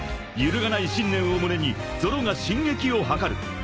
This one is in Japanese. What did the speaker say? ［揺るがない信念を胸にゾロが進撃をはかる］